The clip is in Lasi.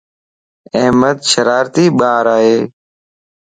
احمد شرارتي ٻار ائي